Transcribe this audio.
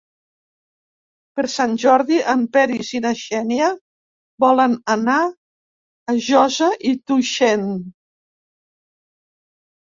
Per Sant Jordi en Peris i na Xènia volen anar a Josa i Tuixén.